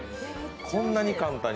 そんなに簡単に。